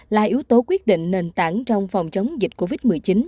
là yếu tố quyết định nền tảng trong phòng chống dịch covid một mươi chín